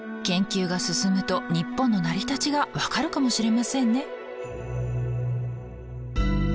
研究が進むと日本の成り立ちが分かるかもしれませんね。